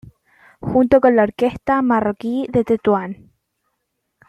Junto con la Orquesta marroquí de Tetuán.